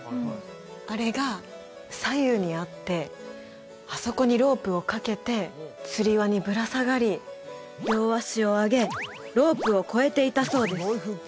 あれが左右にあってあそこにロープをかけてつり輪にぶら下がり両足を上げロープを越えていたそうです